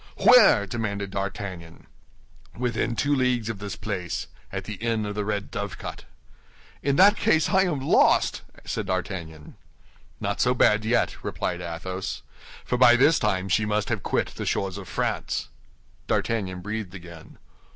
"Where?" demanded D'Artagnan. "Within two leagues of this place, at the inn of the Red Dovecot." "In that case I am lost," said D'Artagnan. "Not so bad yet," replied Athos; "for by this time she must have quit the shores of France." D'Artagnan breathed again.